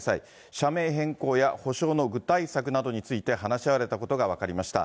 社名変更や補償の具体策などについて話し合われたことが分かりました。